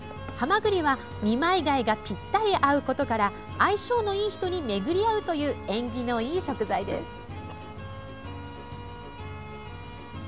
はまぐりは、二枚貝がぴったり合うことから相性のいい人に巡り会うという縁起のいい食材です。